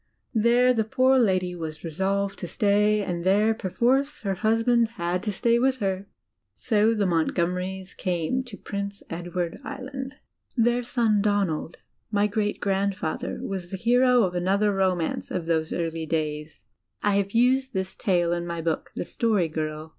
There the poor lady was resolved to stay, and there, perforce, her husband had to stay with her. So the Montgomerys came to Prince Edward Island. Their son Etonald, my great grandfather, was the hero of another romance of those early days. I have used this tale in my book. The Story Girl.